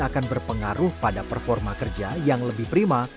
akan berpengaruh pada performa kerja yang lebih prima